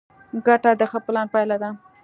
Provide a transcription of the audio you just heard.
ګټه د ښه پلان پایله ده.